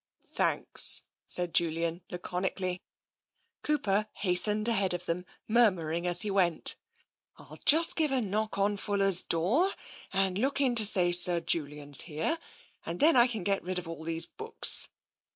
" Thanks," said Julian laconically. Cooper hastened ahead of them, murmuring as he went: " I'll just give a knock on Fuller's door, and look in to say Sir Julian's here, and then I can get rid of all these books